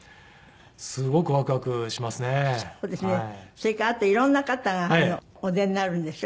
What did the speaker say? それからあと色んな方がお出になるんでしょ？